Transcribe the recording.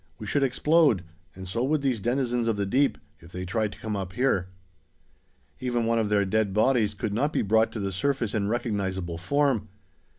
We should explode, and so would these denizens of the deep, if they tried to come up here. Even one of their dead bodies could not be brought to the surface in recognizable form.